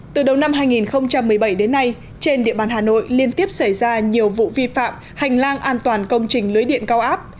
từ đầu năm hai nghìn một mươi bảy đến nay trên địa bàn hà nội liên tiếp xảy ra nhiều vụ vi phạm hành lang an toàn công trình lưới điện cao áp